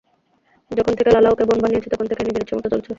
যখন থেকে লালা ওকে বোন বানিয়েছে, তখন থেকেই নিজের ইচ্ছেমতো চলছে।